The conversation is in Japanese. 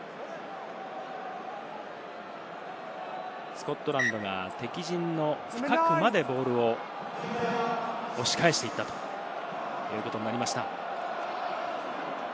スコットランドが敵陣の深くまでボールを押し返していったということになりました。